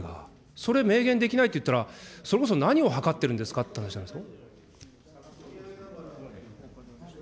それ明言できないっていったら、それこそ何をはかってるんですかって話ですよ。